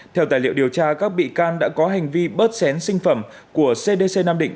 theo tài liệu điều tra các bị can đã có hành vi bớt xén sinh phẩm của cdc nam định